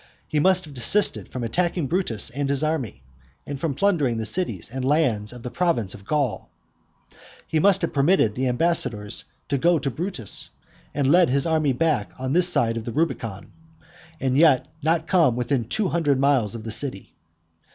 He must have desisted from attacking Brutus and his army, and from plundering the cities and lands of the province of Gaul; he must have permitted the ambassadors to go to Brutus, and led his army back on this side of the Rubicon, and yet not come within two hundred miles of this city.